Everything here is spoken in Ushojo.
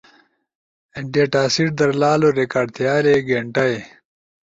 ڈیتاسیٹ در لالو ریکارڈ تھیالے گینٹائی